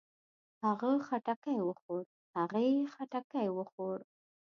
هغۀ خټکی وخوړ. هغې خټکی وخوړ.